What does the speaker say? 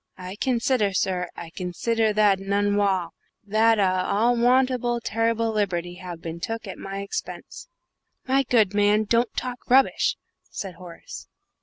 I consider, sir, I consider that a unwall that a most unwarrant terrible liberty have bin took at my expense." "My good man, don't talk rubbish!" said Horace.